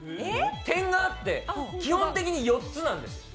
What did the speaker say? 点があって、基本的に４つなんです。